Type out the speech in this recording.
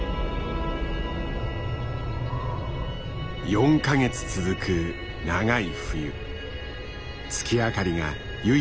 ４か月続く長い冬月明かりが唯一の光だ。